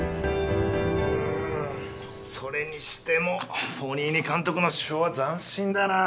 うんそれにしてもフォニーニ監督の手法は斬新だな。